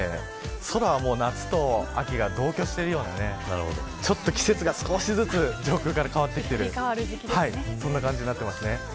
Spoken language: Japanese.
空はもう夏と秋が同居しているような季節が少しずつ上空から変わってきているそんな感じになっています。